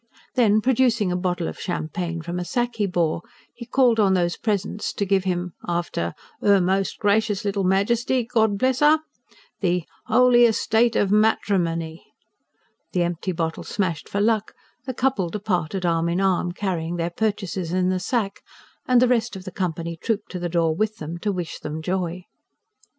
Then, producing a bottle of champagne from a sack he bore, he called on those present to give him, after: "'Er most Gracious little Majesty, God bless 'er!" the: "'Oly estate of materimony!" The empty bottle smashed for luck, the couple departed arm in arm, carrying their purchases in the sack; and the rest of the company trooped to the door with them, to wish them joy.